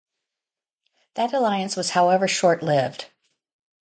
That alliance was however short-lived.